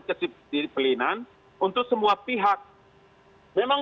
kesiplinan untuk semua pihak memang